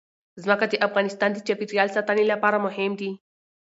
ځمکه د افغانستان د چاپیریال ساتنې لپاره مهم دي.